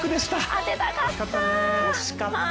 当てたかった。